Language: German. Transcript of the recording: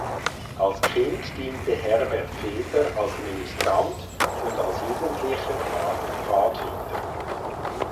Als Kind diente Herbert Feser als Ministrant und als Jugendlicher war er Pfadfinder.